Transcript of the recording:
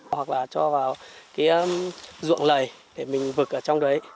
hoặc là cho vào cái ruộng lầy để mình vực ở trong đấy